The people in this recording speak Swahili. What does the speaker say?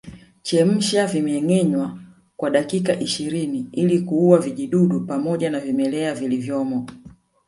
Chemsha vimengenywa kwa dakika ishirini ili kuua vijidudu pamoja na vimelea vilivyomo